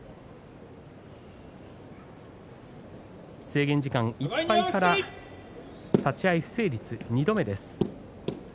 制限時間いっぱいから立ち合い不成立２度目です。